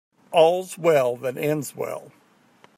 All's well that ends well.